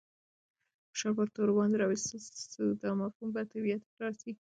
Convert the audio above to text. فشار پر تورو باندې راوستل سو. دا مفهوم به بیا تکرار سي.